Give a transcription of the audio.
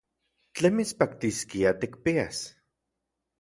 ¿Tlen mitspaktiskia tikpias?